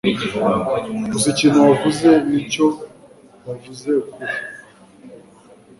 gusa ikintu wavuze, ni cyo wavuze ukuri